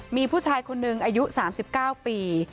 มีผู้ชายคนหนึ่งอายุ๓๙ปี